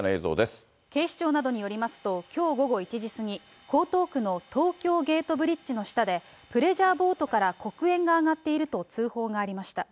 警視庁などによりますと、きょう午後１時過ぎ、江東区の東京ゲートブリッジの下で、プレジャーボートから黒煙が上がっていると通報がありました。